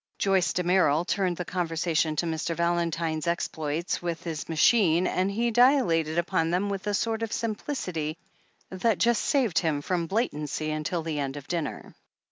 Joyce Damerel turned the conversation to Mr. Valen tine's exploits with his machine, and he dilated upon them with a sort of simplicity that just saved him from blatancy, until the end of dinner.